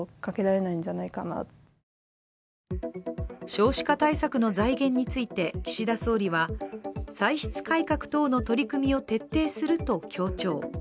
少子化対策の財源について岸田総理は歳出改革等の取り組みを徹底すると強調。